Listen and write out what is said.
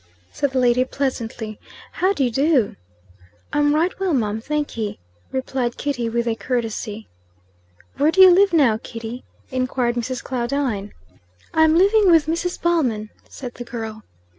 said the lady pleasantly. "How do you do?" "I'm right well, mum, thankee," replied Kitty, with a courtesy. "Where do you live now, Kitty?" inquired Mrs. Claudine. "I'm living with Mrs. Ballman," said the girl.